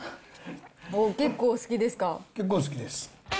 結構好きです。